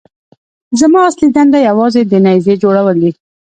زما اصلي دنده یوازې د نيزې جوړول دي.